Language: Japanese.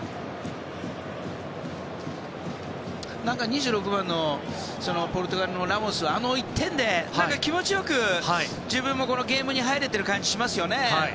２６番のポルトガルのラモスはあの１点で気持ち良く自分もゲームに入れている感じがしますよね。